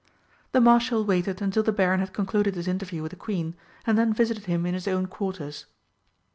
The Marshal waited until the Baron had concluded his interview with the Queen, and then visited him in his own quarters.